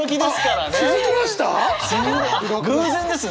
偶然ですね？